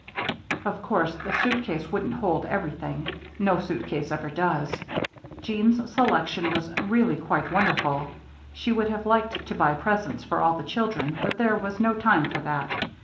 Of course the suitcase wouldn't hold everything; no suitcase ever does. Jeanne's selection was really quite wonderful. She would have liked to buy presents for all the children, but there was no time for that.